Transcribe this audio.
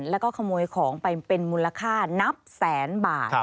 แล้วก็ขโมยของไปเป็นมูลค่านับแสนบาท